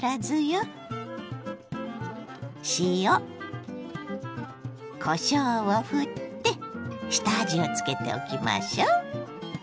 塩こしょうをふって下味をつけておきましょう。